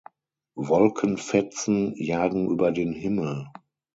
Wolkenfetzen jagen über den Himmel.